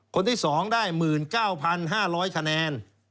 คนที่๒ได้๑๙๕๐๐คะแนน